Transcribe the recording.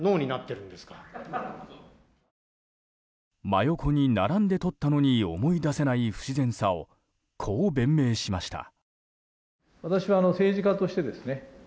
真横に並んで撮ったのに思い出せない不自然さをこう弁明しました。